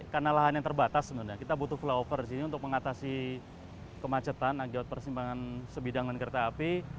karena lahan yang terbatas sebenarnya kita butuh flyover disini untuk mengatasi kemacetan agar persimpangan sebidang rel kereta api